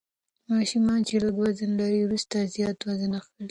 ماشومان چې لږ وزن لري وروسته زیات وزن اخلي.